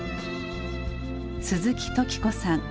鈴木登紀子さん。